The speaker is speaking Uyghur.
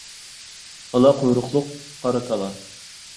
ئالا قۇيرۇقلۇق قارا كالا.